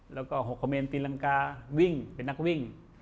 แล้วก็๖เมนตีรังกาวิ่งเป็นนักวิ่ง